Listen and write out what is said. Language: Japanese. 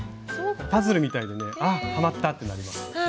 パズルみたいでねあっはまったってなります。